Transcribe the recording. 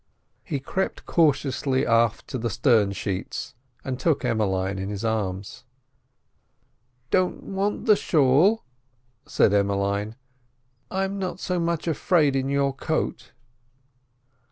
He crept cautiously aft to the stern sheets and took Emmeline in his arms. "Don't want the shawl," said Emmeline; "I'm not so much afraid in your coat."